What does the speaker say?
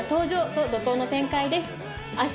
と怒濤の展開です。